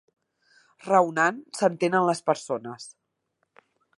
Raonant s'entenen les persones.